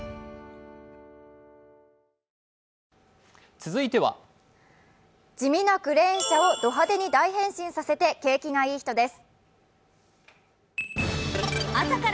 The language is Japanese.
続いては地味なクレーン車をド派手に大変身させて景気がイイ人です。